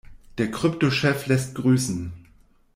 Der Kryptochef lässt grüßen.